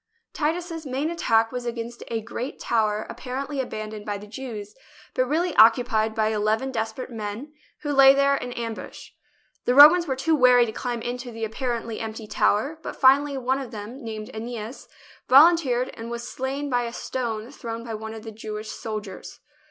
Titus's main attack was against a great tower ap parently abandoned by the Jews, but really oc cupied by eleven desperate men who lay there in ambush. The Romans were too wary to climb into the apparently empty tower, but finally one of them, named iEneas, volunteered, and was slain by a stone thrown by one of the Jewish soldiers.